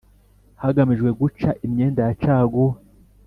hagamijwe guca imyenda ya caguwa